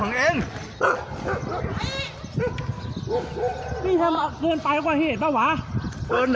ลงที่ครั้งนี้เธอมาเกินได้กว่าเหตุหรอ